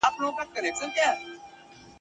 ته به مي د لیک په تمه سره اهاړ ته منډه کې ..